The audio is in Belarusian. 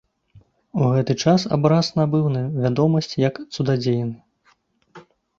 У гэты час абраз набыў вядомасць як цудадзейны.